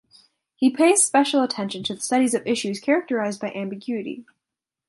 He pays special attention to the study of issues characterized by ambiguity.